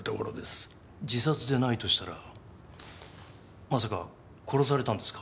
自殺でないとしたらまさか殺されたんですか？